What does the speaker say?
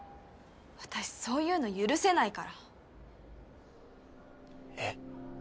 私そういうの許せないからえっ？